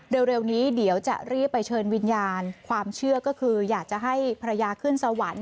เร็วนี้เดี๋ยวจะรีบไปเชิญวิญญาณความเชื่อก็คืออยากจะให้ภรรยาขึ้นสวรรค์